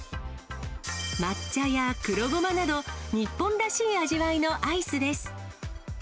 抹茶や黒ごまなど、日本らしい味わいのアイスです。